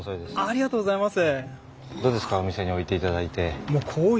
ありがとうございます。